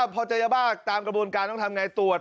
พอเจอยาบ้าดาตามกระบวนการตรวจปรัตเศษาบาด